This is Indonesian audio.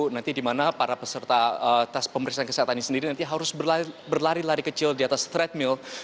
nanti di mana para peserta tes pemeriksaan kesehatan ini sendiri nanti harus berlari lari kecil di atas treadmill